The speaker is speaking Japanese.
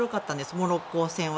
モロッコ戦は。